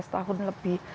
enam belas tahun lebih